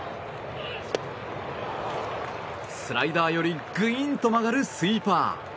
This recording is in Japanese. スライダーよりグインと曲がるスイーパー。